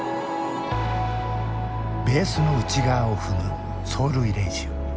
ベースの内側を踏む走塁練習。